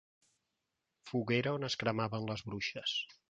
Foguera on es cremaven les bruixes.